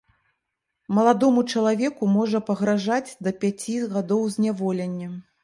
Маладому чалавеку можа пагражаць да пяці гадоў зняволення.